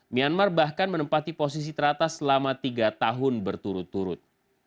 myanmar bahkan menempati posisi teratas selama tiga tahun berturut turut